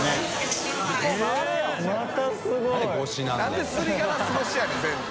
何ですりガラス越しやねん全部。